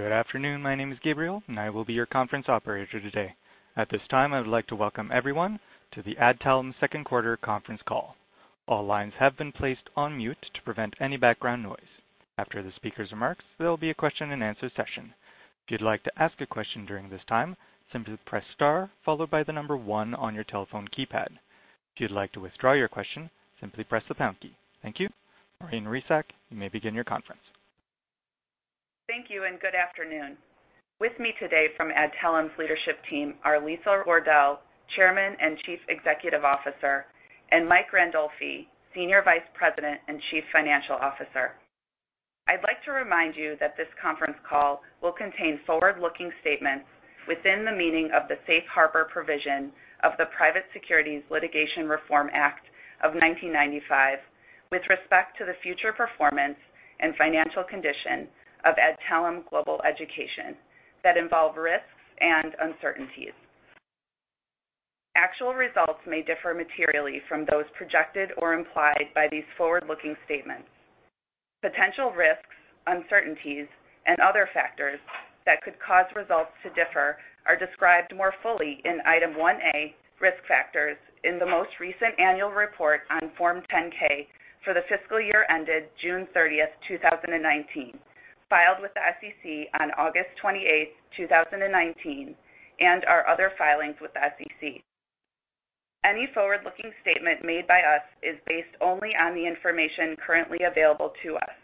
Good afternoon. My name is Gabriel, and I will be your conference operator today. At this time, I would like to welcome everyone to the Adtalem second quarter conference call. All lines have been placed on mute to prevent any background noise. After the speaker's remarks, there'll be a question-and-answer session. If you'd like to ask a question during this time, simply press star, followed by the number 1 on your telephone keypad. If you'd like to withdraw your question, simply press the pound key. Thank you. Maureen Resac, you may begin your conference. Thank you, and good afternoon. With me today from Adtalem's leadership team are Lisa Wardell, Chairman and Chief Executive Officer, and Mike Randolfi, Senior Vice President and Chief Financial Officer. I'd like to remind you that this conference call will contain forward-looking statements within the meaning of the Safe Harbor provision of the Private Securities Litigation Reform Act of 1995 with respect to the future performance and financial condition of Adtalem Global Education that involve risks and uncertainties. Actual results may differ materially from those projected or implied by these forward-looking statements. Potential risks, uncertainties, and other factors that could cause results to differ are described more fully in Item 1A, Risk Factors, in the most recent annual report on Form 10-K for the fiscal year ended June 30th, 2019, filed with the SEC on August 28th, 2019, and our other filings with the SEC. Any forward-looking statement made by us is based only on the information currently available to us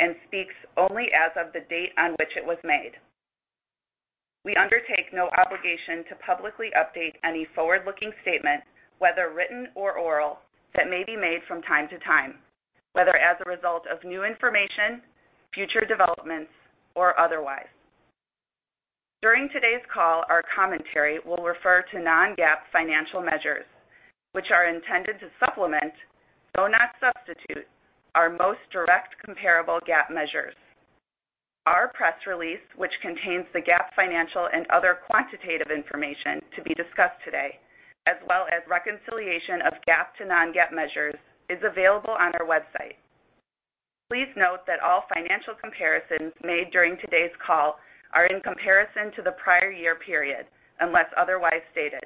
and speaks only as of the date on which it was made. We undertake no obligation to publicly update any forward-looking statement, whether written or oral, that may be made from time to time, whether as a result of new information, future developments, or otherwise. During today's call, our commentary will refer to non-GAAP financial measures, which are intended to supplement, though not substitute, our most direct comparable GAAP measures. Our press release, which contains the GAAP financial and other quantitative information to be discussed today, as well as reconciliation of GAAP to non-GAAP measures, is available on our website. Please note that all financial comparisons made during today's call are in comparison to the prior year period, unless otherwise stated.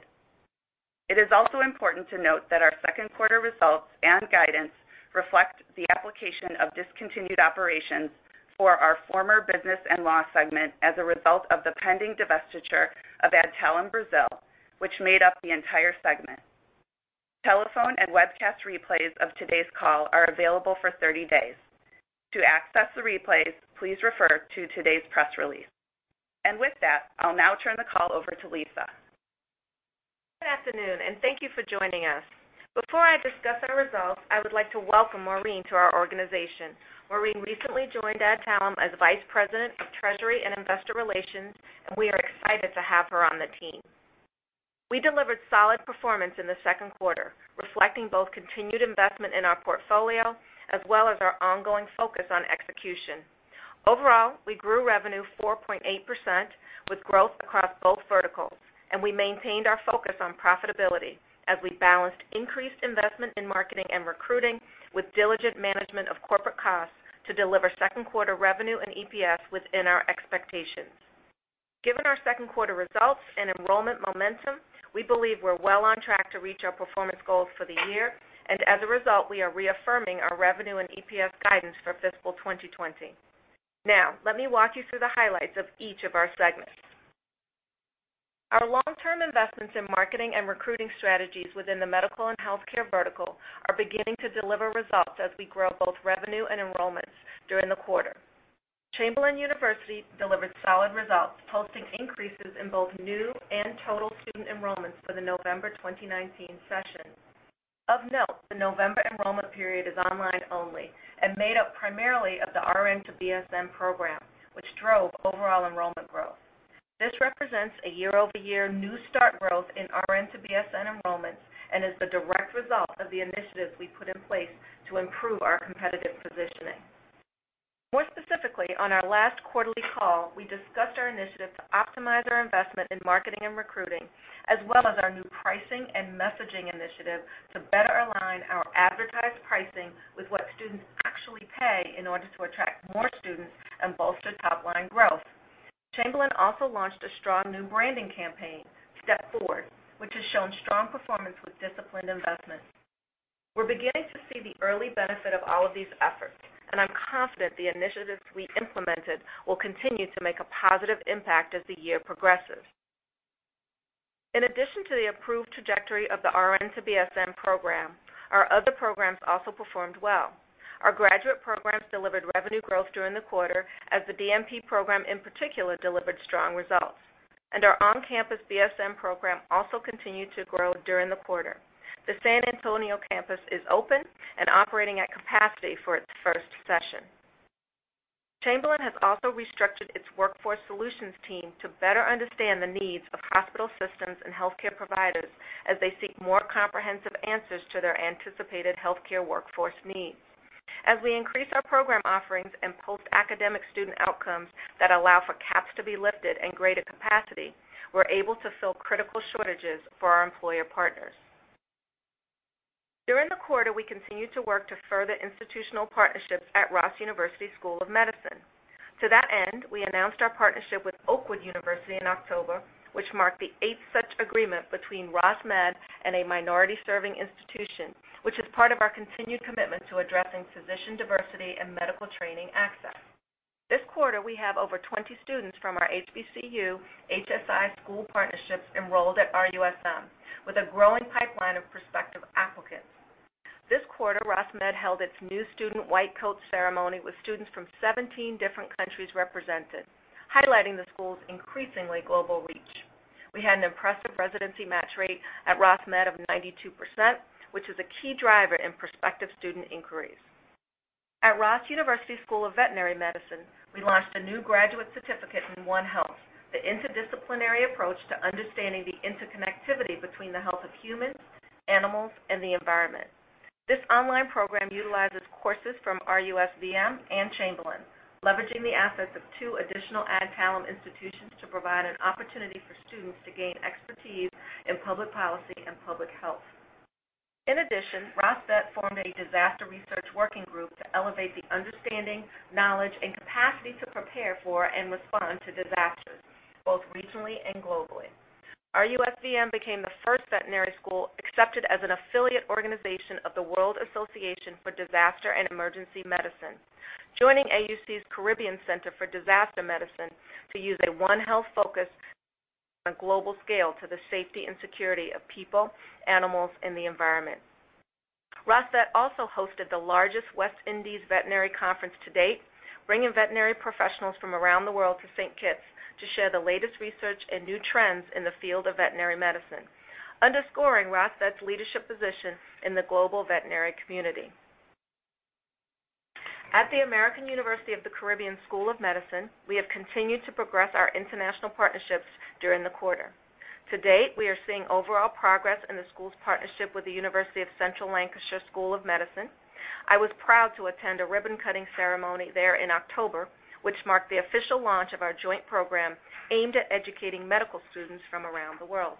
It is also important to note that our second quarter results and guidance reflect the application of discontinued operations for our former Business and Law segment as a result of the pending divestiture of Adtalem Brazil, which made up the entire segment. Telephone and webcast replays of today's call are available for 30 days. To access the replays, please refer to today's press release. With that, I'll now turn the call over to Lisa. Good afternoon, and thank you for joining us. Before I discuss our results, I would like to welcome Maureen to our organization. Maureen recently joined Adtalem as Vice President of Treasury and Investor Relations, and we are excited to have her on the team. We delivered solid performance in the second quarter, reflecting both continued investment in our portfolio as well as our ongoing focus on execution. Overall, we grew revenue 4.8% with growth across both verticals, and we maintained our focus on profitability as we balanced increased investment in marketing and recruiting with diligent management of corporate costs to deliver second quarter revenue and EPS within our expectations. Given our second quarter results and enrollment momentum, we believe we're well on track to reach our performance goals for the year. As a result, we are reaffirming our revenue and EPS guidance for fiscal 2020. Now, let me walk you through the highlights of each of our segments. Our long-term investments in marketing and recruiting strategies within the medical and healthcare vertical are beginning to deliver results as we grow both revenue and enrollments during the quarter. Chamberlain University delivered solid results, posting increases in both new and total student enrollments for the November 2019 session. Of note, the November enrollment period is online only and made up primarily of the RN to BSN program, which drove overall enrollment growth. This represents a year-over-year new start growth in RN to BSN enrollments and is the direct result of the initiatives we put in place to improve our competitive positioning. More specifically, on our last quarterly call, we discussed our initiative to optimize our investment in marketing and recruiting, as well as our new pricing and messaging initiative to better align our advertised pricing with what students actually pay in order to attract more students and bolster top-line growth. Chamberlain also launched a strong new branding campaign, Step Forward, which has shown strong performance with disciplined investment. We're beginning to see the early benefit of all of these efforts, and I'm confident the initiatives we've implemented will continue to make a positive impact as the year progresses. In addition to the approved trajectory of the RN to BSN program, our other programs also performed well. Our graduate programs delivered revenue growth during the quarter as the DNP program, in particular, delivered strong results. Our on-campus BSN program also continued to grow during the quarter. The San Antonio campus is open and operating at capacity for its first session. Chamberlain has also restructured its workforce solutions team to better understand the needs of hospital systems and healthcare providers as they seek more comprehensive answers to their anticipated healthcare workforce needs. As we increase our program offerings and post-academic student outcomes that allow for caps to be lifted and greater capacity, we are able to fill critical shortages for our employer partners. During the quarter, we continued to work to further institutional partnerships at Ross University School of Medicine. To that end, we announced our partnership with Oakwood University in October, which marked the eighth such agreement between Ross Med and a minority-serving institution, which is part of our continued commitment to addressing physician diversity and medical training access. This quarter, we have over 20 students from our HBCU HSI school partnerships enrolled at RUSM, with a growing pipeline of prospective applicants. This quarter, Ross Med held its new student white coat ceremony with students from 17 different countries represented, highlighting the school's increasingly global reach. We had an impressive residency match rate at Ross Med of 92%, which is a key driver in prospective student inquiries. At Ross University School of Veterinary Medicine, we launched a new graduate certificate in One Health, the interdisciplinary approach to understanding the interconnectivity between the health of humans, animals, and the environment. This online program utilizes courses from RUSVM and Chamberlain, leveraging the assets of two additional Adtalem institutions to provide an opportunity for students to gain expertise in public policy and public health. In addition, Ross Vet formed a disaster research working group to elevate the understanding, knowledge, and capacity to prepare for and respond to disasters, both regionally and globally. RUSVM became the first veterinary school accepted as an affiliate organization of the World Association for Disaster and Emergency Medicine, joining AUC's Caribbean Center for Disaster Medicine to use a One Health focus on a global scale to the safety and security of people, animals, and the environment. Ross Vet also hosted the largest West Indies veterinary conference to date, bringing veterinary professionals from around the world to St. Kitts to share the latest research and new trends in the field of veterinary medicine, underscoring Ross Vet's leadership position in the global veterinary community. At the American University of the Caribbean School of Medicine, we have continued to progress our international partnerships during the quarter. To date, we are seeing overall progress in the school's partnership with the University of Central Lancashire School of Medicine. I was proud to attend a ribbon-cutting ceremony there in October, which marked the official launch of our joint program aimed at educating medical students from around the world.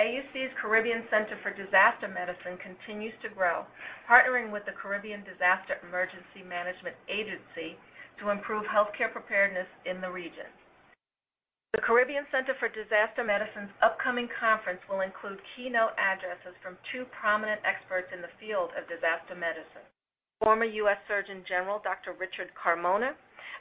AUC's Caribbean Center for Disaster Medicine continues to grow, partnering with the Caribbean Disaster Emergency Management Agency to improve healthcare preparedness in the region. The Caribbean Center for Disaster Medicine's upcoming conference will include keynote addresses from two prominent experts in the field of disaster medicine. Former U.S. Surgeon General Dr. Richard Carmona,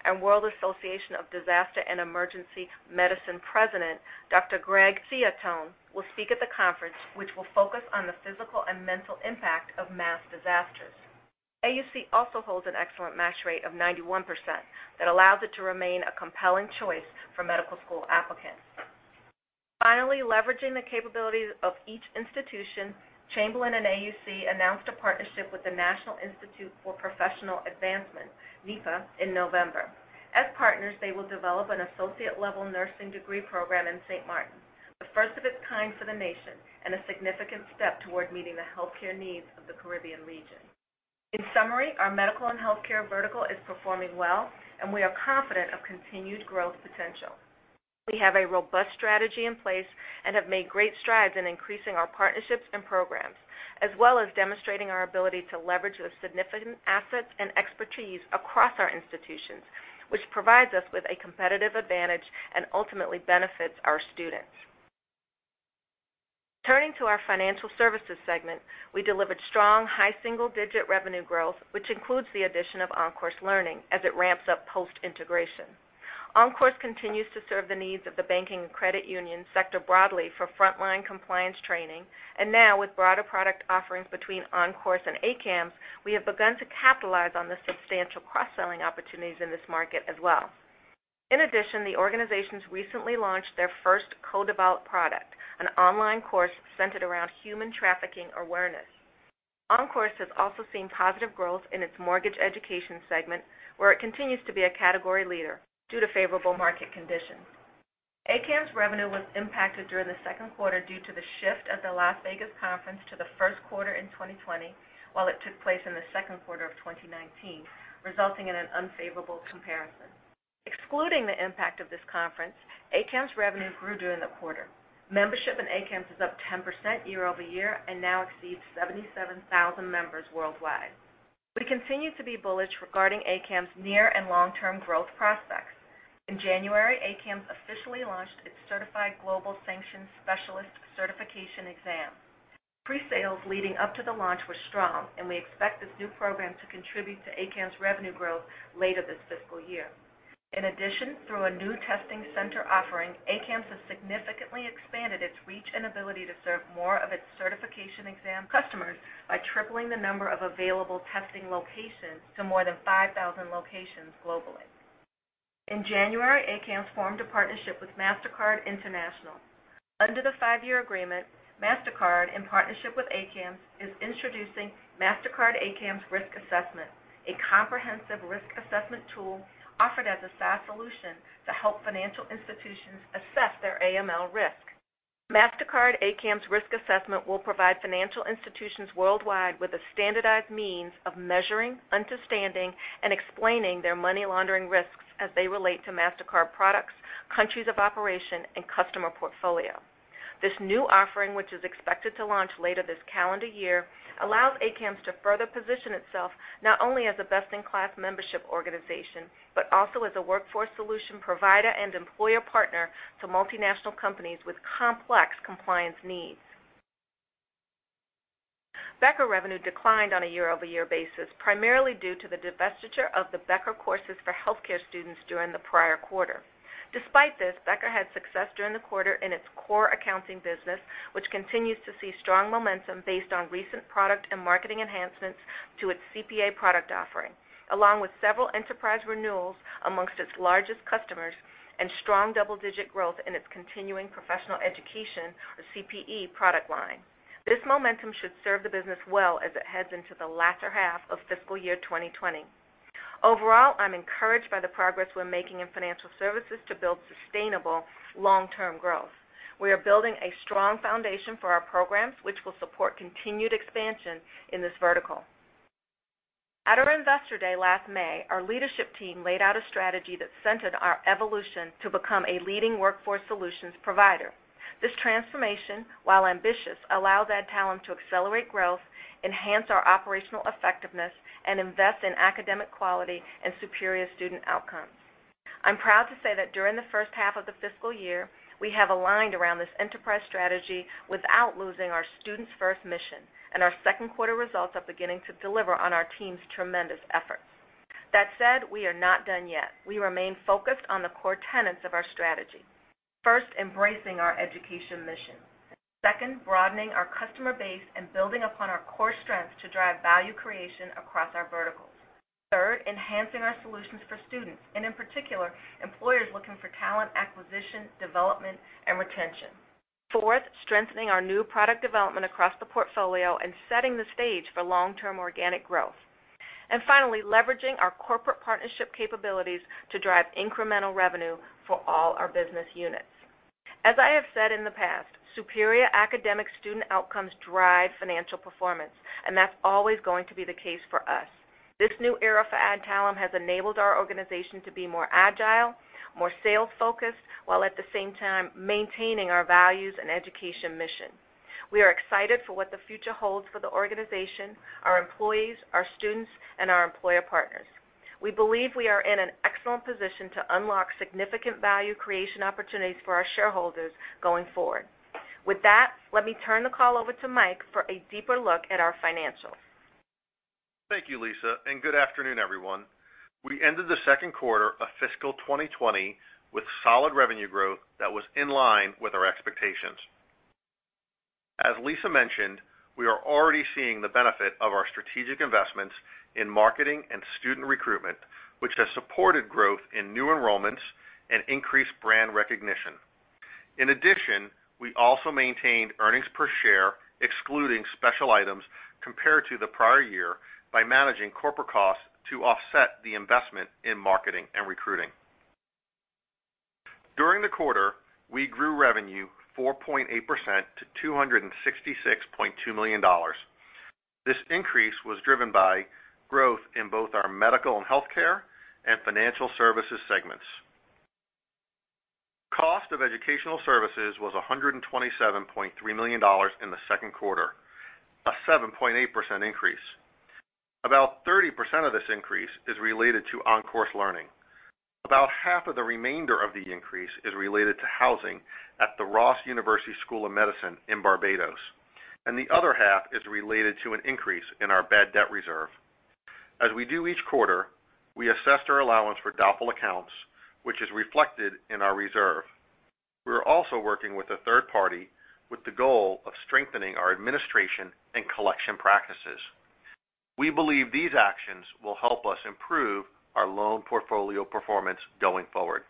and World Association of Disaster and Emergency Medicine President Dr. Greg Ciottone will speak at the conference, which will focus on the physical and mental impact of mass disasters. AUC also holds an excellent match rate of 91% that allows it to remain a compelling choice for medical school applicants. Finally, leveraging the capabilities of each institution, Chamberlain and AUC announced a partnership with the National Institute for Professional Advancement, NIPA, in November. As partners, they will develop an associate-level nursing degree program in St. Maarten, the first of its kind for the nation, and a significant step toward meeting the healthcare needs of the Caribbean region. In summary, our medical and healthcare vertical is performing well, and we are confident of continued growth potential. We have a robust strategy in place and have made great strides in increasing our partnerships and programs, as well as demonstrating our ability to leverage the significant assets and expertise across our institutions, which provides us with a competitive advantage and ultimately benefits our students. Turning to our financial services segment, we delivered strong, high single-digit revenue growth, which includes the addition of OnCourse Learning as it ramps up post-integration. OnCourse continues to serve the needs of the banking and credit union sector broadly for frontline compliance training. Now, with broader product offerings between OnCourse and ACAMS, we have begun to capitalize on the substantial cross-selling opportunities in this market as well. In addition, the organizations recently launched their first co-developed product, an online course centered around human trafficking awareness. OnCourse has also seen positive growth in its mortgage education segment, where it continues to be a category leader due to favorable market conditions. ACAMS' revenue was impacted during the second quarter due to the shift of the Las Vegas conference to the first quarter in 2020, while it took place in the second quarter of 2019, resulting in an unfavorable comparison. Excluding the impact of this conference, ACAMS' revenue grew during the quarter. Membership in ACAMS is up 10% year-over-year and now exceeds 77,000 members worldwide. We continue to be bullish regarding ACAMS' near and long-term growth prospects. In January, ACAMS officially launched its Certified Global Sanctions Specialist certification exam. Pre-sales leading up to the launch were strong, and we expect this new program to contribute to ACAMS' revenue growth later this fiscal year. In addition, through a new testing center offering, ACAMS has significantly expanded its reach and ability to serve more of its certification exam customers by tripling the number of available testing locations to more than 5,000 locations globally. In January, ACAMS formed a partnership with Mastercard International. Under the five-year agreement, Mastercard, in partnership with ACAMS, is introducing Mastercard ACAMS Risk Assessment, a comprehensive risk assessment tool offered as a SaaS solution to help financial institutions assess their AML risk. Mastercard ACAMS Risk Assessment will provide financial institutions worldwide with a standardized means of measuring, understanding, and explaining their money laundering risks as they relate to Mastercard products, countries of operation, and customer portfolio. This new offering, which is expected to launch later this calendar year, allows ACAMS to further position itself not only as a best-in-class membership organization, but also as a workforce solution provider and employer partner to multinational companies with complex compliance needs. Becker revenue declined on a year-over-year basis, primarily due to the divestiture of the Becker courses for healthcare students during the prior quarter. Despite this, Becker had success during the quarter in its core accounting business, which continues to see strong momentum based on recent product and marketing enhancements to its CPA product offering, along with several enterprise renewals amongst its largest customers and strong double-digit growth in its continuing professional education, or CPE, product line. This momentum should serve the business well as it heads into the latter half of fiscal year 2020. Overall, I'm encouraged by the progress we're making in financial services to build sustainable long-term growth. We are building a strong foundation for our programs, which will support continued expansion in this vertical. At our Investor Day last May, our leadership team laid out a strategy that centered our evolution to become a leading workforce solutions provider. This transformation, while ambitious, allows Adtalem to accelerate growth, enhance our operational effectiveness, and invest in academic quality and superior student outcomes. I'm proud to say that during the first half of the fiscal year, we have aligned around this enterprise strategy without losing our students-first mission, and our second quarter results are beginning to deliver on our team's tremendous efforts. That said, we are not done yet. We remain focused on the core tenets of our strategy. First, embracing our education mission. Second, broadening our customer base and building upon our core strengths to drive value creation across our verticals. Third, enhancing our solutions for students, and in particular, employers looking for talent acquisition, development, and retention. Fourth, strengthening our new product development across the portfolio and setting the stage for long-term organic growth. Finally, leveraging our corporate partnership capabilities to drive incremental revenue for all our business units. As I have said in the past, superior academic student outcomes drive financial performance. That's always going to be the case for us. This new era for Adtalem has enabled our organization to be more agile, more sales-focused, while at the same time maintaining our values and education mission. We are excited for what the future holds for the organization, our employees, our students, and our employer partners. We believe we are in an excellent position to unlock significant value creation opportunities for our shareholders going forward. With that, let me turn the call over to Mike for a deeper look at our financials. Thank you, Lisa. Good afternoon, everyone. We ended the second quarter of fiscal 2020 with solid revenue growth that was in line with our expectations. As Lisa mentioned, we are already seeing the benefit of our strategic investments in marketing and student recruitment, which has supported growth in new enrollments and increased brand recognition. We also maintained earnings per share excluding special items compared to the prior year by managing corporate costs to offset the investment in marketing and recruiting. During the quarter, we grew revenue 4.8% to $266.2 million. This increase was driven by growth in both our Medical and Healthcare and Financial Services segments. Cost of educational services was $127.3 million in the second quarter, a 7.8% increase. About 30% of this increase is related to OnCourse Learning. About half of the remainder of the increase is related to housing at the Ross University School of Medicine in Barbados, and the other half is related to an increase in our bad debt reserve. As we do each quarter, we assessed our allowance for doubtful accounts, which is reflected in our reserve. We are also working with a third party with the goal of strengthening our administration and collection practices. We believe these actions will help us improve our loan portfolio performance going forward.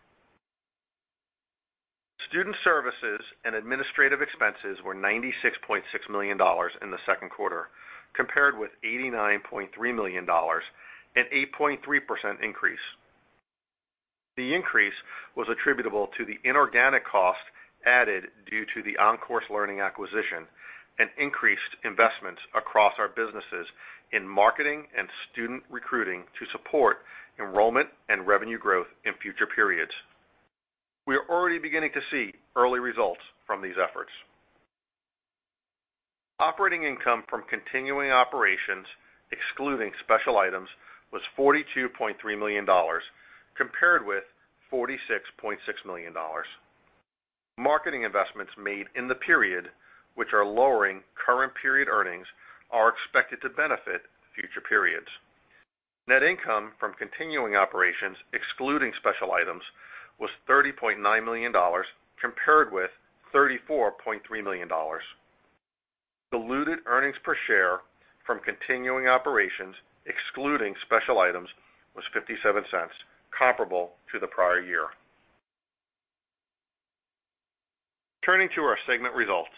Student services and administrative expenses were $96.6 million in the second quarter, compared with $89.3 million, an 8.3% increase. The increase was attributable to the inorganic cost added due to the OnCourse Learning acquisition and increased investments across our businesses in marketing and student recruiting to support enrollment and revenue growth in future periods. We are already beginning to see early results from these efforts. Operating income from continuing operations excluding special items was $42.3 million, compared with $46.6 million. Marketing investments made in the period, which are lowering current period earnings, are expected to benefit future periods. Net income from continuing operations excluding special items was $30.9 million, compared with $34.3 million. Diluted earnings per share from continuing operations excluding special items was $0.57, comparable to the prior year. Turning to our segment results.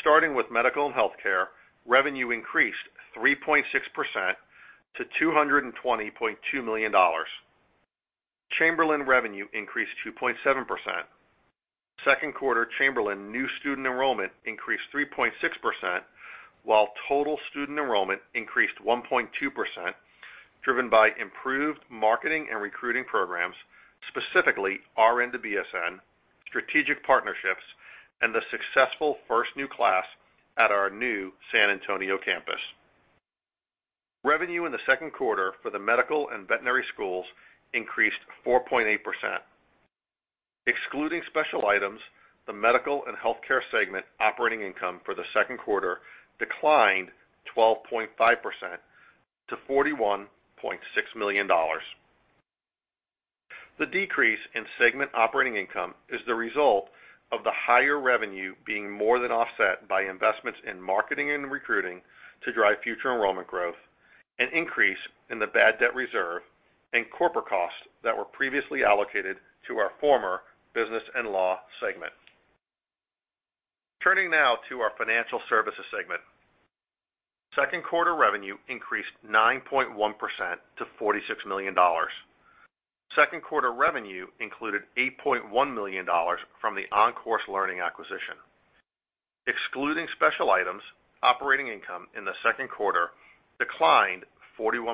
Starting with Medical and Healthcare, revenue increased 3.6% to $220.2 million. Chamberlain revenue increased 2.7%. Second quarter Chamberlain new student enrollment increased 3.6%, while total student enrollment increased 1.2%, driven by improved marketing and recruiting programs, specifically RN to BSN, strategic partnerships, and the successful first new class at our new San Antonio campus. Revenue in the second quarter for the medical and veterinary schools increased 4.8%. Excluding special items, the Medical and Healthcare Segment operating income for the second quarter declined 12.5% to $41.6 million. The decrease in segment operating income is the result of the higher revenue being more than offset by investments in marketing and recruiting to drive future enrollment growth, an increase in the bad debt reserve, and corporate costs that were previously allocated to our former Business and Law Segment. Turning now to our Financial Services Segment. Second quarter revenue increased 9.1% to $46 million. Second quarter revenue included $8.1 million from the OnCourse Learning acquisition. Excluding special items, operating income in the second quarter declined 41%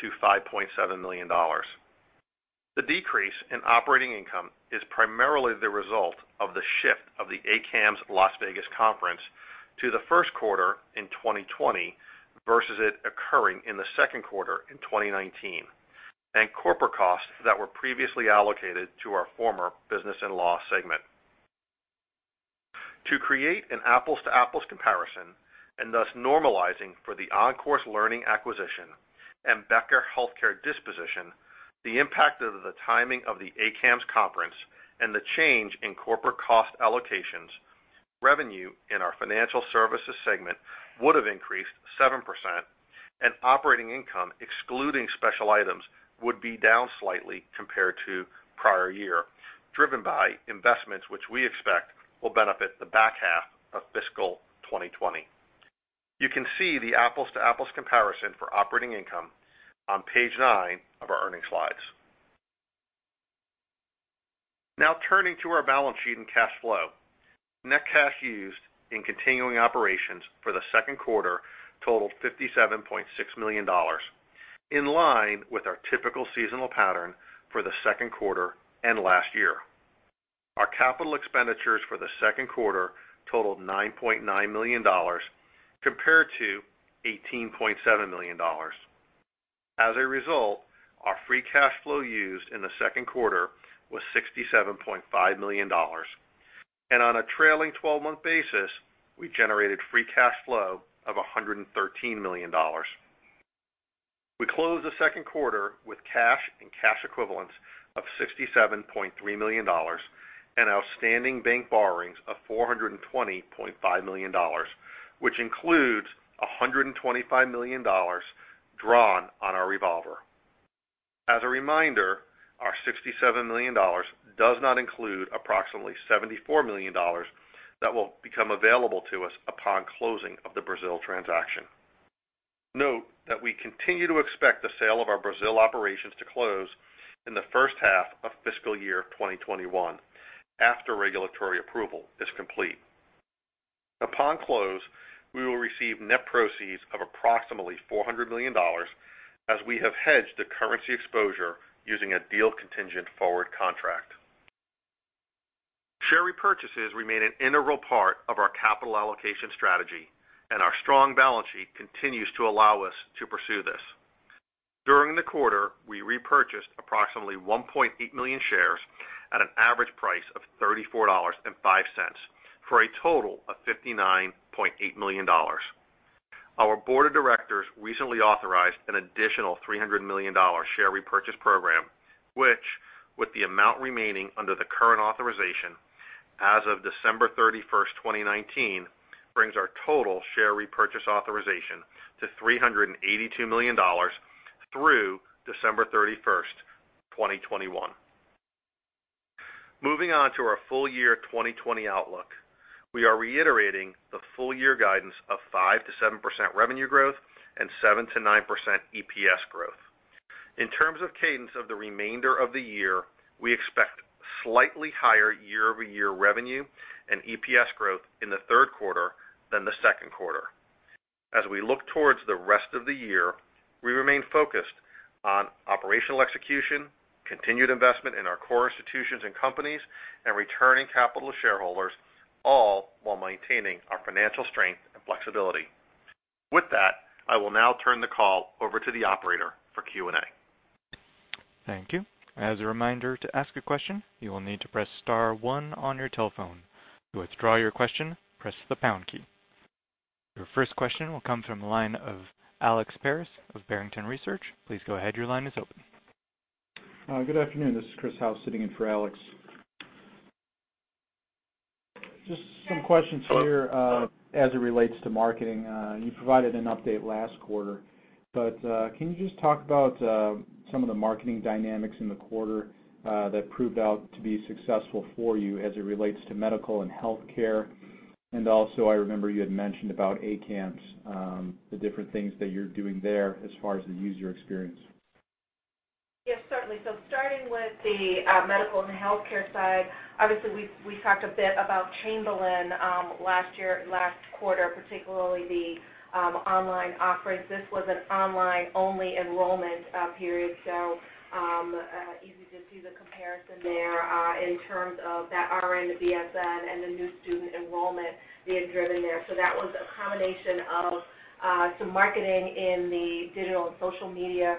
to $5.7 million. The decrease in operating income is primarily the result of the shift of the ACAMS Las Vegas conference to the first quarter in 2020 versus it occurring in the second quarter in 2019, and corporate costs that were previously allocated to our former business and law segment. To create an apples-to-apples comparison, and thus normalizing for the OnCourse Learning acquisition and Becker's Healthcare disposition, the impact of the timing of the ACAMS conference, and the change in corporate cost allocations, revenue in our financial services segment would have increased 7%, and operating income, excluding special items, would be down slightly compared to prior year, driven by investments which we expect will benefit the back half of fiscal 2020. You can see the apples-to-apples comparison for operating income on page nine of our earnings slides. Turning to our balance sheet and cash flow. Net cash used in continuing operations for the second quarter totaled $57.6 million, in line with our typical seasonal pattern for the second quarter and last year. Our capital expenditures for the second quarter totaled $9.9 million compared to $18.7 million. As a result, our free cash flow used in the second quarter was $67.5 million, and on a trailing 12-month basis, we generated free cash flow of $113 million. We closed the second quarter with cash and cash equivalents of $67.3 million and outstanding bank borrowings of $420.5 million, which includes $125 million drawn on our revolver. As a reminder, our $67 million does not include approximately $74 million that will become available to us upon closing of the Brazil transaction. Note that we continue to expect the sale of our Brazil operations to close in the first half of fiscal year 2021 after regulatory approval is complete. Upon close, we will receive net proceeds of approximately $400 million as we have hedged the currency exposure using a deal-contingent forward contract. Share repurchases remain an integral part of our capital allocation strategy, and our strong balance sheet continues to allow us to pursue this. During the quarter, we repurchased approximately 1.8 million shares at an average price of $34.05 for a total of $59.8 million. Our board of directors recently authorized an additional $300 million share repurchase program, which with the amount remaining under the current authorization as of December 31st, 2019, brings our total share repurchase authorization to $382 million through December 31st, 2021. Moving on to our full year 2020 outlook. We are reiterating the full year guidance of 5%-7% revenue growth and 7%-9% EPS growth. In terms of cadence of the remainder of the year, we expect slightly higher year-over-year revenue and EPS growth in the third quarter than the second quarter. As we look towards the rest of the year, we remain focused on operational execution, continued investment in our core institutions and companies, and returning capital to shareholders, all while maintaining our financial strength and flexibility. With that, I will now turn the call over to the operator for Q&A. Thank you. As a reminder, to ask a question, you will need to press star one on your telephone. To withdraw your question, press the pound key. Your first question will come from the line of Alex Paris of Barrington Research. Please go ahead. Your line is open. Good afternoon. This is Chris Howe sitting in for Alex. Just some questions here as it relates to marketing. You provided an update last quarter. Can you just talk about some of the marketing dynamics in the quarter that proved out to be successful for you as it relates to medical and healthcare? Also, I remember you had mentioned about ACAMS, the different things that you're doing there as far as the user experience. Yes, certainly. Starting with the medical and healthcare side, obviously, we talked a bit about Chamberlain last quarter, particularly the online offerings. This was an online-only enrollment period, so easy to see the comparison there in terms of that RN to BSN and the new student enrollment being driven there. That was a combination of some marketing in the digital and social media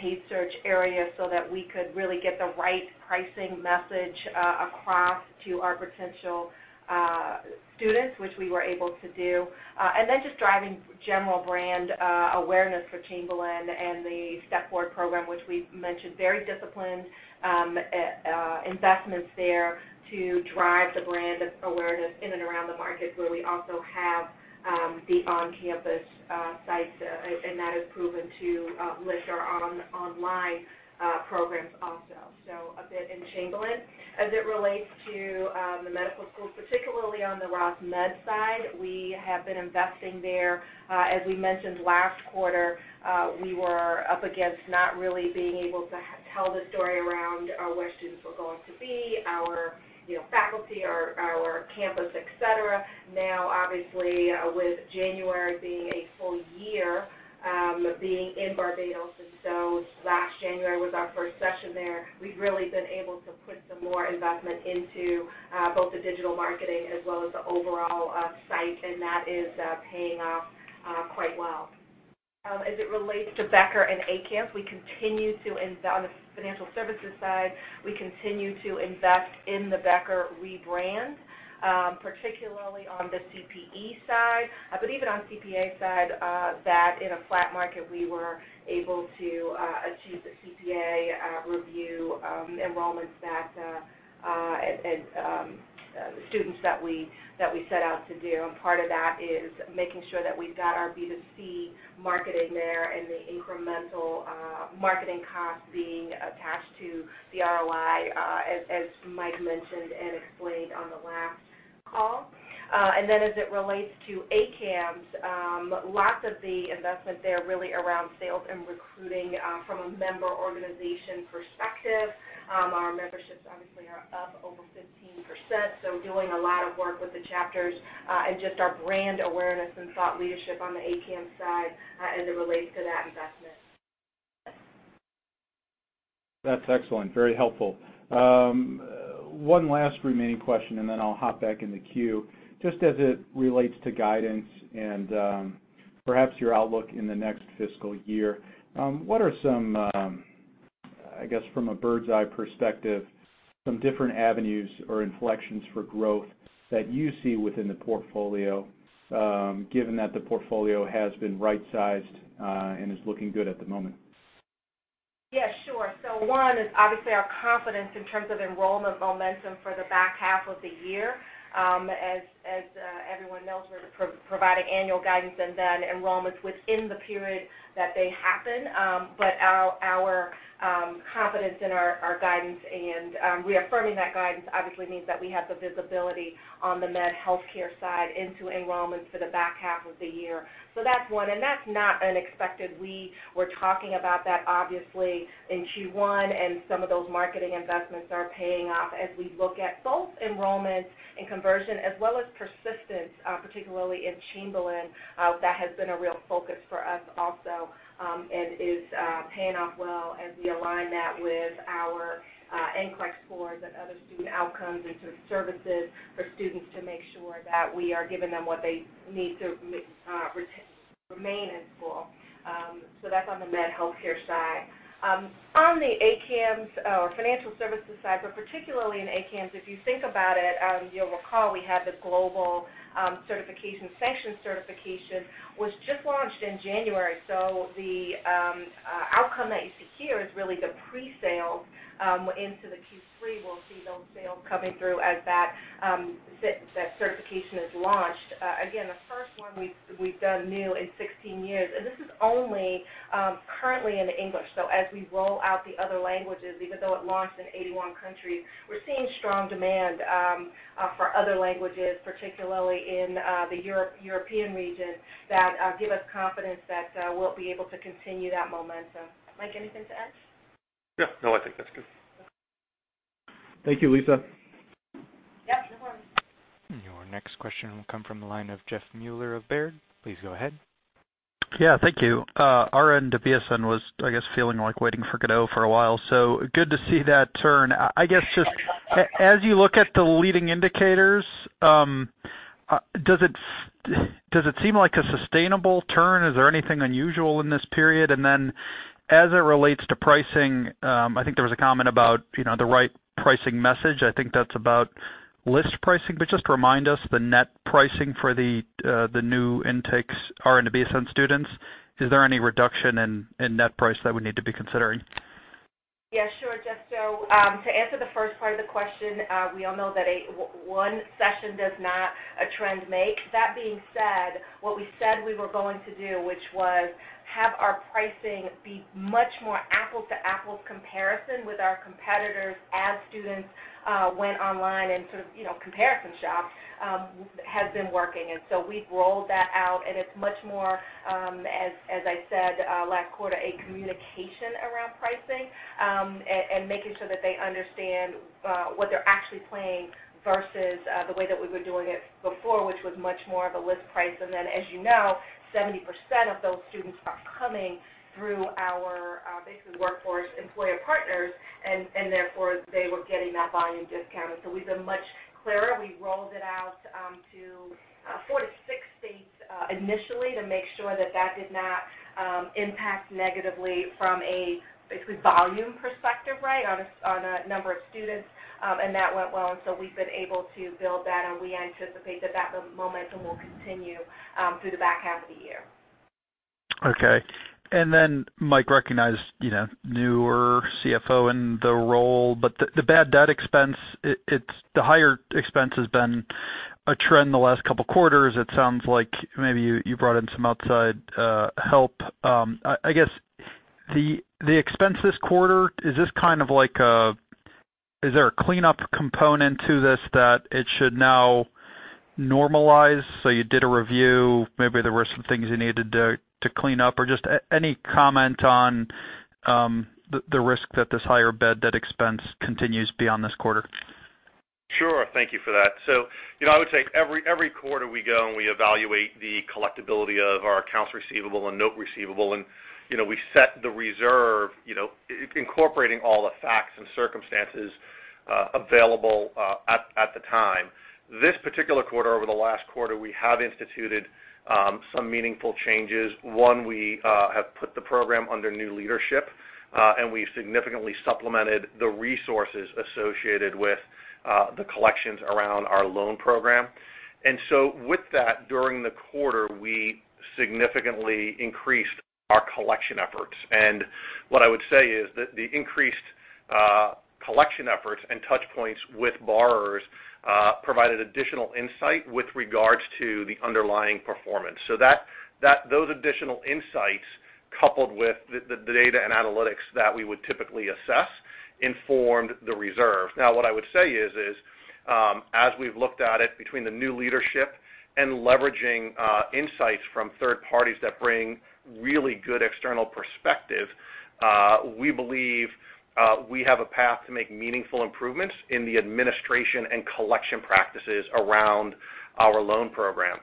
paid search area so that we could really get the right pricing message across to our potential students, which we were able to do. And then just driving general brand awareness for Chamberlain and the Step Forward program, which we've mentioned, very disciplined investments there to drive the brand awareness in and around the markets where we also have the on-campus sites, and that has proven to lift our online programs also. A bit in Chamberlain. As it relates to the medical schools, particularly on the Ross Med side, we have been investing there. As we mentioned last quarter, we were up against not really being able to tell the story around where students were going to be, our faculty, our campus, et cetera. Obviously, with January being a full year, being in Barbados, last January was our first session there, we've really been able to put some more investment into both the digital marketing as well as the overall site. That is paying off quite well. As it relates to Becker and ACAMS, on the financial services side, we continue to invest in the Becker rebrand, particularly on the CPE side. Even on the CPA side, that in a flat market, we were able to achieve the CPA Review enrollments and students that we set out to do, and part of that is making sure that we've got our B2C marketing there and the incremental marketing costs being attached to the ROI, as Mike mentioned and explained on the last call. Then as it relates to ACAMS, lots of the investment there really around sales and recruiting from a member organization perspective. Our memberships obviously are up over 15%, so doing a lot of work with the chapters, and just our brand awareness and thought leadership on the ACAMS side as it relates to that investment. That's excellent. Very helpful. One last remaining question, and then I'll hop back in the queue. Just as it relates to guidance and perhaps your outlook in the next fiscal year, what are some, I guess, from a bird's eye perspective, some different avenues or inflections for growth that you see within the portfolio, given that the portfolio has been right-sized and is looking good at the moment? Yeah, sure. One is obviously our confidence in terms of enrollment momentum for the back half of the year. As everyone knows, we're providing annual guidance and then enrollments within the period that they happen. Our confidence in our guidance and reaffirming that guidance obviously means that we have the visibility on the med healthcare side into enrollments for the back half of the year. That's one, and that's not unexpected. We were talking about that obviously in Q1, and some of those marketing investments are paying off as we look at both enrollment and conversion as well as persistence, particularly in Chamberlain. That has been a real focus for us also and is paying off well as we align that with our NCLEX scores and other student outcomes into services for students to make sure that we are giving them what they need to remain in school. That's on the med healthcare side. On the ACAMS or financial services side, particularly in ACAMS, if you think about it, you'll recall we had the global certification, Sanction certification, was just launched in January. The outcome that you see here is really the pre-sale into the Q3. We'll see those sales coming through as that certification is launched. Again, the first one we've done new in 16 years, this is only currently in English. As we roll out the other languages, even though it launched in 81 countries, we're seeing strong demand for other languages, particularly in the European region, that give us confidence that we'll be able to continue that momentum. Mike, anything to add? No, I think that's good. Thank you, Lisa. Yeah, no problem. Your next question will come from the line of Jeff Meuler of Baird. Please go ahead. Yeah, thank you. RN to BSN was, I guess, feeling like waiting for Godot for a while, so good to see that turn. I guess just as you look at the leading indicators, does it seem like a sustainable turn? Is there anything unusual in this period? As it relates to pricing, I think there was a comment about the right pricing message. I think that's about list pricing, but just remind us the net pricing for the new intakes, RN to BSN students. Is there any reduction in net price that we need to be considering? Yeah, sure, Jeff. To answer the first part of the question, we all know that one session does not a trend make. That being said, what we said we were going to do, which was have our pricing be much more apples-to-apples comparison with our competitors as students went online and comparison shop, has been working. We've rolled that out, and it's much more, as I said last quarter, a communication around pricing, and making sure that they understand what they're actually paying versus the way that we were doing it before, which was much more of a list price. As you know, 70% of those students are coming through our basically workforce employer partners, and therefore, they were getting that volume discount. We've been much clearer. We've rolled it out to four to six states initially to make sure that that did not impact negatively from a basically volume perspective on a number of students. That went well, and so we've been able to build that, and we anticipate that that momentum will continue through the back half of the year. Okay. Mike recognized newer CFO in the role, but the bad debt expense, the higher expense has been a trend the last couple of quarters. It sounds like maybe you brought in some outside help. I guess the expense this quarter, is there a cleanup component to this that it should now normalize? You did a review, maybe there were some things you needed to clean up, or just any comment on the risk that this higher bad debt expense continues beyond this quarter? Sure. Thank you for that. I would say every quarter we go, and we evaluate the collectability of our accounts receivable and note receivable, and we set the reserve incorporating all the facts and circumstances available at the time. This particular quarter, over the last quarter, we have instituted some meaningful changes. One, we have put the program under new leadership, and we've significantly supplemented the resources associated with the collections around our loan program. With that, during the quarter, we significantly increased our collection efforts. What I would say is that the increased collection efforts and touch points with borrowers provided additional insight with regards to the underlying performance. Those additional insights, coupled with the data and analytics that we would typically assess, informed the reserve. What I would say is, as we've looked at it between the new leadership and leveraging insights from third parties that bring really good external perspective, we believe we have a path to make meaningful improvements in the administration and collection practices around our loan program.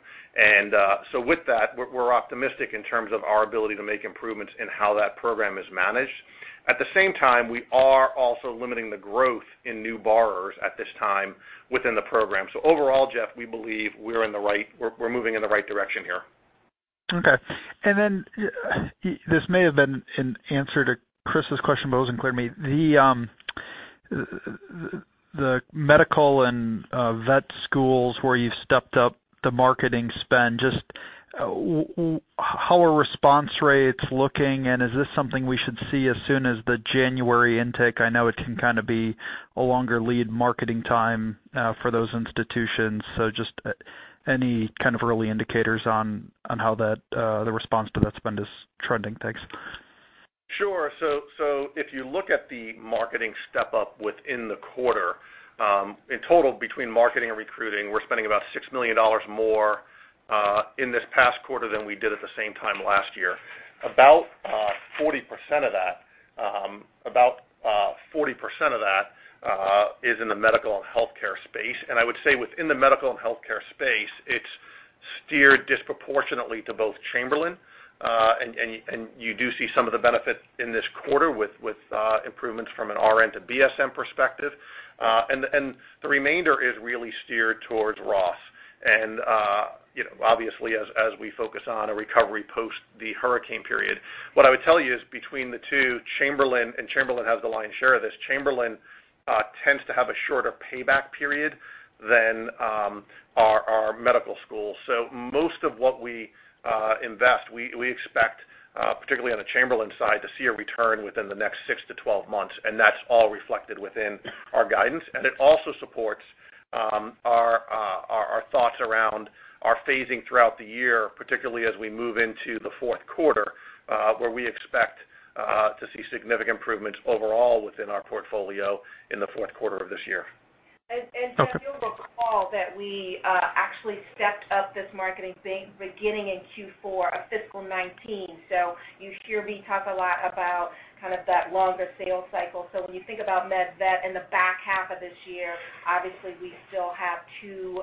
With that, we're optimistic in terms of our ability to make improvements in how that program is managed. At the same time, we are also limiting the growth in new borrowers at this time within the program. Overall, Jeff, we believe we're moving in the right direction here. Okay. This may have been an answer to Chris's question, but it wasn't clear to me. The medical and vet schools where you stepped up the marketing spend, just how are response rates looking, and is this something we should see as soon as the January intake? I know it can be a longer lead marketing time for those institutions. Just any kind of early indicators on how the response to that spend is trending? Thanks. Sure. If you look at the marketing step-up within the quarter, in total, between marketing and recruiting, we're spending $6 million more in this past quarter than we did at the same time last year. 40% of that is in the medical and healthcare space. I would say within the medical and healthcare space, it's steered disproportionately to both Chamberlain, and you do see some of the benefit in this quarter with improvements from an RN to BSN perspective. The remainder is really steered towards Ross. Obviously, as we focus on a recovery post the hurricane period. What I would tell you is between the two, Chamberlain, and Chamberlain has the lion's share of this, Chamberlain tends to have a shorter payback period than our medical school. Most of what we invest, we expect, particularly on the Chamberlain side, to see a return within the next six to 12 months, and that's all reflected within our guidance. It also supports our thoughts around our phasing throughout the year, particularly as we move into the fourth quarter, where we expect to see significant improvements overall within our portfolio in the fourth quarter of this year. Jeff, you'll recall that we actually stepped up this marketing thing beginning in Q4 of fiscal 2019. You hear me talk a lot about that longer sales cycle. When you think about med vet in the back half of this year, obviously, we still have two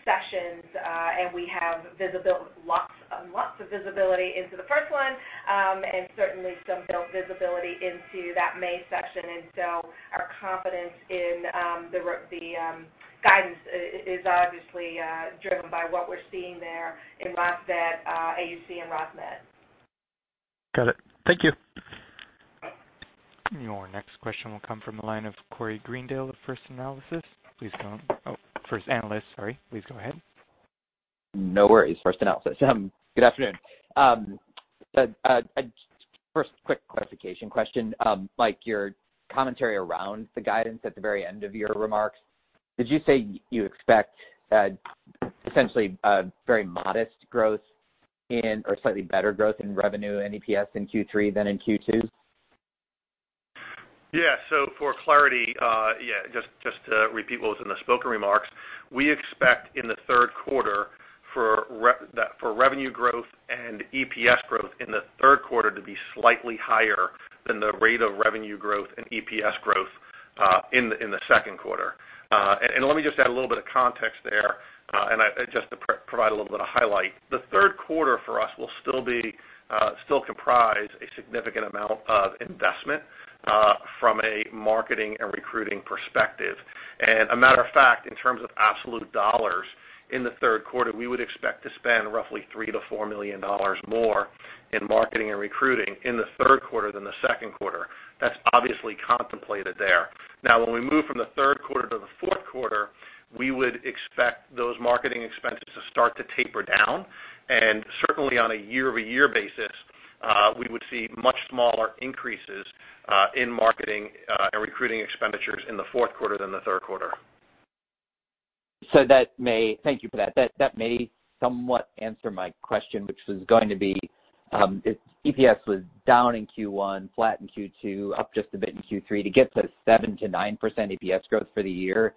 sessions, and we have lots and lots of visibility into the first one, and certainly some built visibility into that May session. Our confidence in the guidance is obviously driven by what we're seeing there in Ross Vet, AUC, and Ross Med. Got it. Thank you. Your next question will come from the line of Clint at First Analysis. Please go on. Oh, First Analysis, sorry. Please go ahead. No worries, First Analysis. Good afternoon. First quick clarification question. Mike, your commentary around the guidance at the very end of your remarks, did you say you expect essentially very modest growth in or slightly better growth in revenue and EPS in Q3 than in Q2? For clarity, just to repeat what was in the spoken remarks, we expect for revenue growth and EPS growth in the third quarter to be slightly higher than the rate of revenue growth and EPS growth in the second quarter. Let me just add a little bit of context there, and just to provide a little bit of highlight. The third quarter for us will still comprise a significant amount of investment from a marketing and recruiting perspective. As a matter of fact, in terms of absolute dollars, in the third quarter, we would expect to spend roughly $3 million-$4 million more in marketing and recruiting in the third quarter than the second quarter. That is obviously contemplated there. When we move from the third quarter to the fourth quarter, we would expect those marketing expenses to start to taper down. Certainly on a year-over-year basis, we would see much smaller increases in marketing and recruiting expenditures in the fourth quarter than the third quarter. Thank you for that. That may somewhat answer my question, which was going to be if EPS was down in Q1, flat in Q2, up just a bit in Q3, to get to 7%-9% EPS growth for the year,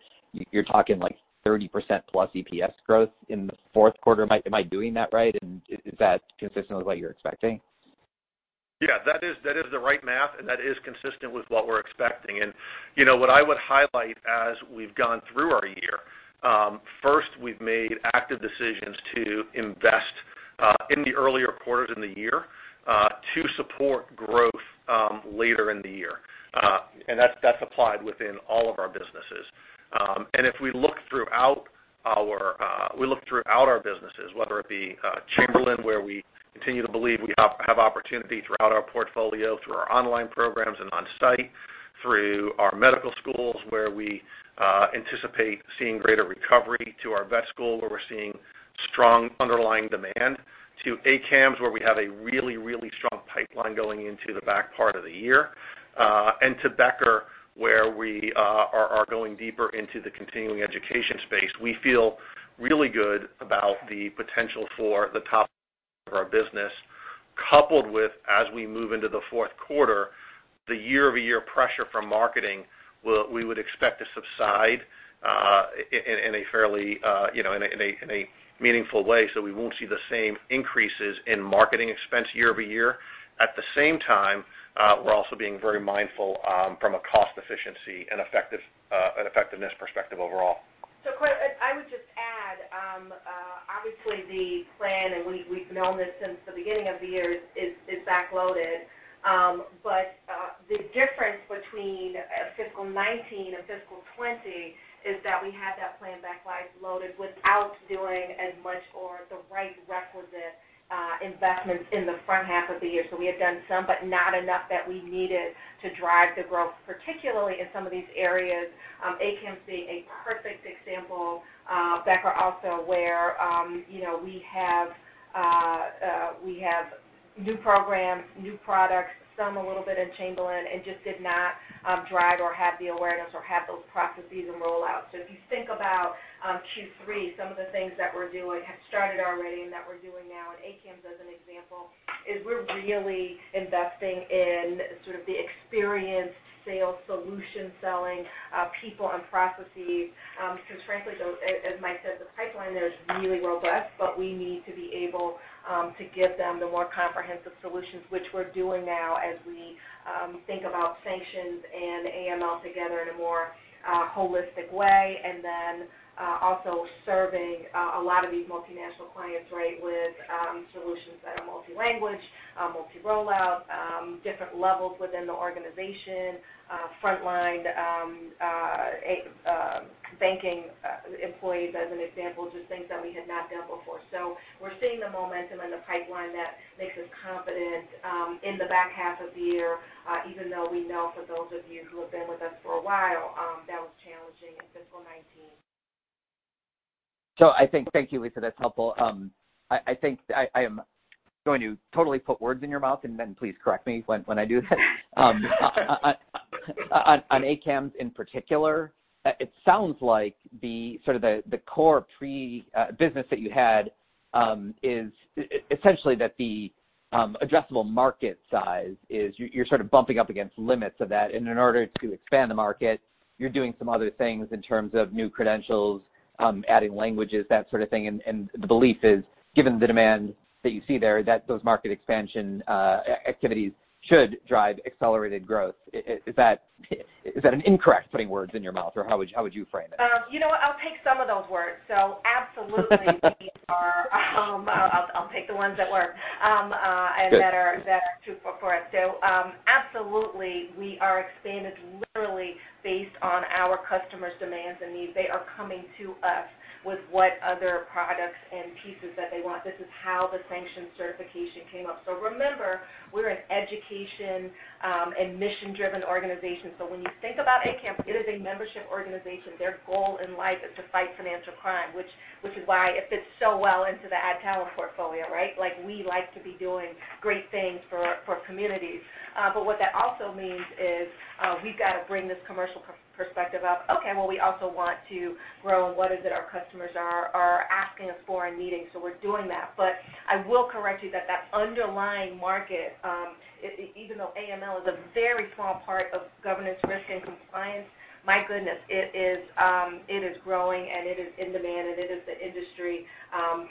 you're talking 30%+ EPS growth in the fourth quarter. Am I doing that right? Is that consistent with what you're expecting? Yeah, that is the right math, and that is consistent with what we're expecting. What I would highlight as we've gone through our year, first, we've made active decisions to invest in the earlier quarters in the year to support growth later in the year. That's applied within all of our businesses. If we look throughout our businesses, whether it be Chamberlain, where we continue to believe we have opportunity throughout our portfolio through our online programs and on-site, through our medical schools, where we anticipate seeing greater recovery to our vet school where we're seeing strong underlying demand, to ACAMS where we have a really, really strong pipeline going into the back part of the year, and to Becker, where we are going deeper into the continuing education space. We feel really good about the potential for the top of our business, coupled with, as we move into the fourth quarter, the year-over-year pressure from marketing, we would expect to subside in a meaningful way. We won't see the same increases in marketing expense year-over-year. At the same time, we're also being very mindful from a cost efficiency and effectiveness perspective overall. Corey, I would just add, obviously the plan, and we've known this since the beginning of the year, is back-loaded. The difference between FY 2019 and FY 2020 is that we had that plan back-loaded without doing as much or the right requisite investments in the front half of the year. We had done some, but not enough that we needed to drive the growth, particularly in some of these areas. ACAMS being a perfect example, Becker also, where we have new programs, new products, some a little bit in Chamberlain, and just did not drive or have the awareness or have those processes and roll-outs. If you think about Q3, some of the things that we're doing have started already and that we're doing now in ACAMS, as an example, is we're really investing in sort of the experienced sales solution selling, people and processes. Frankly, as Mike said, the pipeline there is really robust, but we need to be able to give them the more comprehensive solutions, which we're doing now as we think about sanctions and AML together in a more holistic way. Then also serving a lot of these multinational clients, with solutions that are multi-language, multi-rollout, different levels within the organization, frontline banking employees as an example, just things that we had not done before. We're seeing the momentum and the pipeline that makes us confident in the back half of the year, even though we know for those of you who have been with us for a while, that was challenging in fiscal 2019. Thank you, Lisa. That's helpful. I think I am going to totally put words in your mouth, and then please correct me when I do that. On ACAMS in particular, it sounds like the core pre-business that you had is essentially that the addressable market size is you're sort of bumping up against limits of that, and in order to expand the market, you're doing some other things in terms of new credentials, adding languages, that sort of thing. The belief is, given the demand that you see there, that those market expansion activities should drive accelerated growth. Is that an incorrect putting words in your mouth, or how would you frame it? You know what? I'll take some of those words. Absolutely. I'll take the ones that work and that are true for us. Absolutely, we are expanded literally based on our customers' demands and needs. They are coming to us with what other products and pieces that they want. This is how the sanction certification came up. Remember, we're an education and mission-driven organization. When you think about ACAMS, it is a membership organization. Their goal in life is to fight financial crime, which is why it fits so well into the Adtalem portfolio, right? We like to be doing great things for communities. What that also means is we've got to bring this commercial perspective up. Okay, well, we also want to grow, and what is it our customers are asking us for and needing, so we're doing that. I will correct you that that underlying market, even though AML is a very small part of governance risk and compliance, my goodness, it is growing, and it is in demand, and it is the industry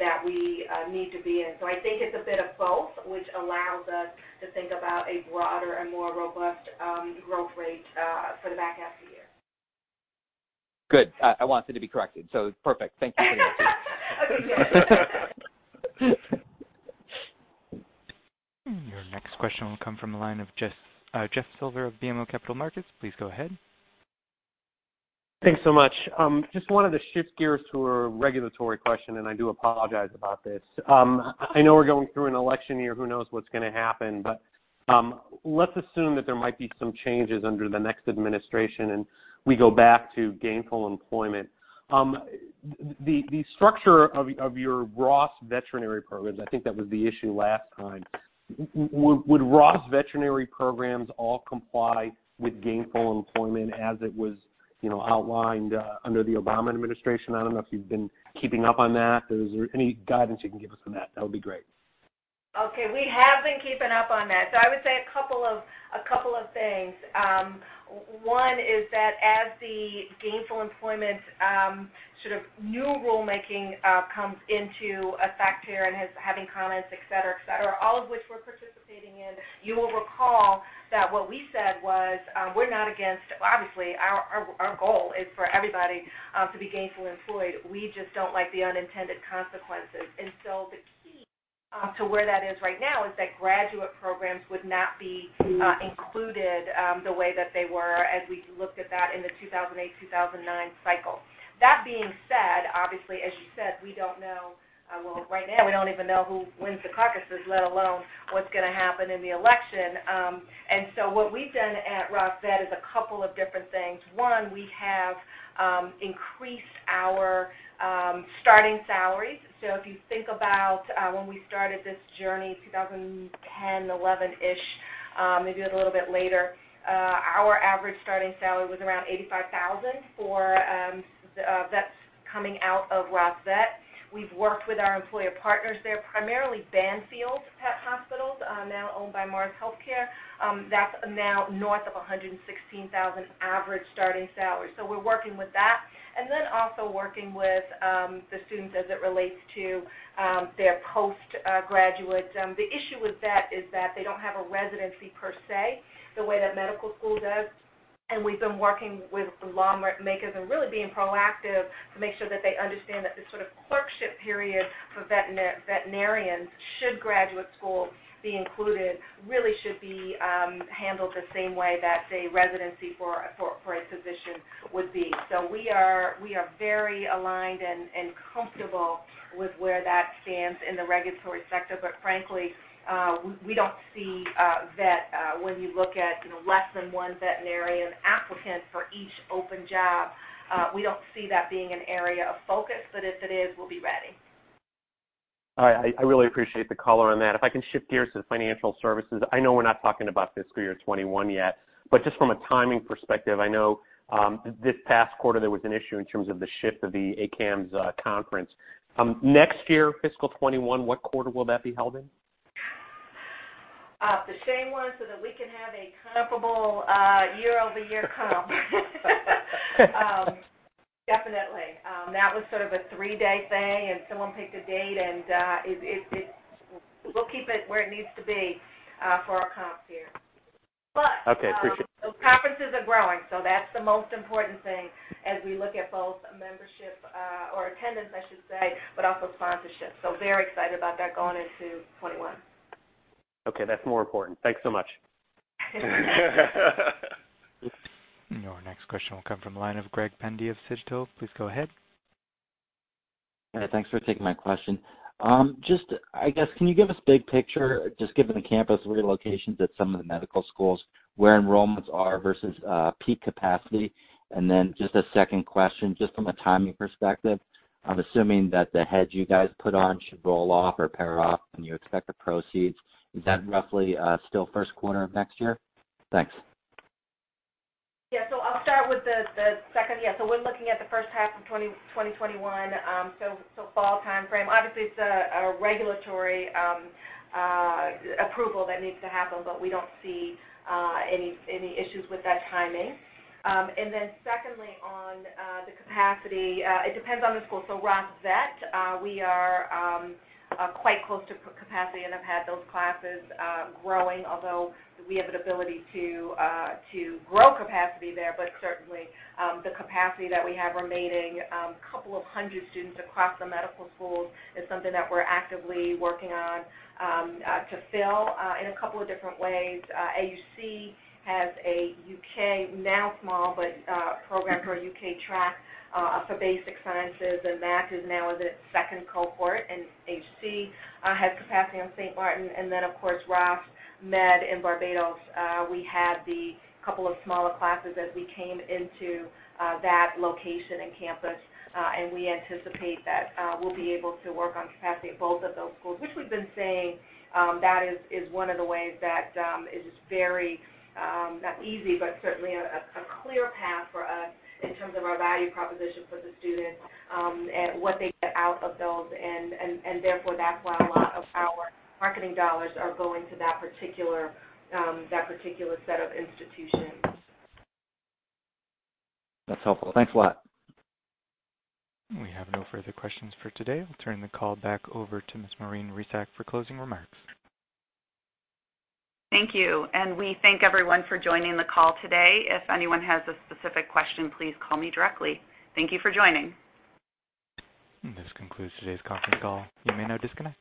that we need to be in. I think it's a bit of both, which allows us to think about a broader and more robust growth rate for the back half of the year. Good. I wanted to be corrected, so perfect. Thank you for the update. Okay. Your next question will come from the line of Jeff Silber of BMO Capital Markets. Please go ahead. Thanks so much. Just wanted to shift gears to a regulatory question, and I do apologize about this. I know we're going through an election year. Who knows what's going to happen? Let's assume that there might be some changes under the next administration, and we go back to gainful employment. The structure of your Ross Veterinary programs, I think that was the issue last time, would Ross Veterinary programs all comply with gainful employment as it was outlined under the Obama administration? I don't know if you've been keeping up on that. Is there any guidance you can give us on that? That would be great. Okay. We have been keeping up on that. I would say a couple of things. One is that as the gainful employment sort of new rulemaking comes into effect here and is having comments, et cetera, et cetera, all of which we're participating in, you will recall that what we said was, Obviously, our goal is for everybody to be gainfully employed. We just don't like the unintended consequences. The key to where that is right now is that graduate programs would not be included the way that they were as we looked at that in the 2008, 2009 cycle. That being said, obviously, as you said, we don't know. Well, right now, we don't even know who wins the caucuses, let alone what's going to happen in the election. What we've done at Ross Vet is a couple of different things. One, we have increased our starting salaries. If you think about when we started this journey, 2010, '11-ish, maybe a little bit later, our average starting salary was around $85,000 for vets coming out of Ross Vet. We've worked with our employer partners there, primarily Banfield Pet Hospital, now owned by Mars, Incorporated. That's now north of $116,000 average starting salary. We're working with that. Also working with the students as it relates to their post-graduate. The issue with that is that they don't have a residency per se, the way that medical school does. We've been working with lawmakers and really being proactive to make sure that they understand that the sort of clerkship period for veterinarians, should graduate school be included, really should be handled the same way that a residency for a physician would be. We are very aligned and comfortable with where that stands in the regulatory sector. Frankly, we don't see that when you look at less than one veterinarian applicant for each open job, we don't see that being an area of focus. If it is, we'll be ready. All right. I really appreciate the color on that. If I can shift gears to financial services. I know we're not talking about fiscal year 2021 yet, but just from a timing perspective, I know this past quarter, there was an issue in terms of the shift of the ACAMS conference. Next year, fiscal 2021, what quarter will that be held in? The same one so that we can have a comparable year-over-year comp. Definitely. That was sort of a three-day thing, and someone picked a date, and we'll keep it where it needs to be for our comps year. Okay. Appreciate it. Those conferences are growing, so that's the most important thing as we look at both membership or attendance, I should say, but also sponsorship. Very excited about that going into 2021. Okay. That's more important. Thanks so much. Your next question will come from the line of Greg Pendy of Sidoti. Please go ahead. Yeah. Thanks for taking my question. Just, I guess, can you give us big picture, just given the campus relocations at some of the medical schools, where enrollments are versus peak capacity? Just a second question, just from a timing perspective, I'm assuming that the hedge you guys put on should roll off or pair off when you expect the proceeds. Is that roughly still first quarter of next year? Thanks. I'll start with the second. We're looking at the first half of 2021, fall timeframe. Obviously, it's a regulatory approval that needs to happen. We don't see any issues with that timing. Secondly, on the capacity, it depends on the school. Ross Vet, we are quite close to capacity and have had those classes growing, although we have an ability to grow capacity there. Certainly, the capacity that we have remaining, couple of hundred students across the medical schools is something that we're actively working on to fill in a couple of different ways. AUC has a U.K., now small, program for a U.K. track, for basic sciences, that is now in its second cohort. HC has capacity on St. Maarten. Of course, Ross Med in Barbados, we had the couple of smaller classes as we came into that location and campus. We anticipate that we'll be able to work on capacity at both of those schools, which we've been saying that is one of the ways that is very, not easy, but certainly a clear path for us in terms of our value proposition for the students, and what they get out of those. That's why a lot of our marketing dollars are going to that particular set of institutions. That's helpful. Thanks a lot. We have no further questions for today. I'll turn the call back over to Ms. Maureen Resac for closing remarks. Thank you. We thank everyone for joining the call today. If anyone has a specific question, please call me directly. Thank you for joining. This concludes today's conference call. You may now disconnect.